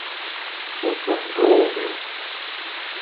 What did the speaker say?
O tomm-gor eo.